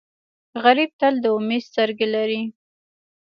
غریب تل د امید سترګې لري